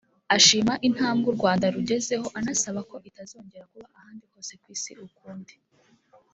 ashima intambwe u Rwanda rugezeho anasaba ko itazongera kuba ahandi hose ku Isi ukundi